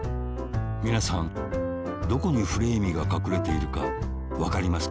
みなさんどこにフレーミーがかくれているかわかりますか？